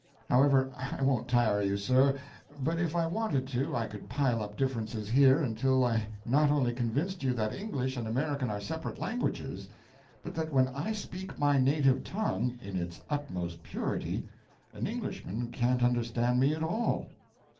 However, I won't tire you, sir; but if I wanted to, I could pile up differences here until I not only convinced you that English and American are separate languages, but that when I speak my native tongue in its utmost purity an Englishman can't understand me at all."